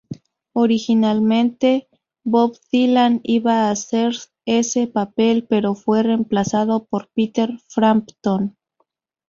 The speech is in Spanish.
Originalmente, Bob Dylan iba a hacer ese papel, pero fue reemplazado por Peter Frampton.